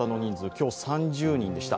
今日、３０人でした。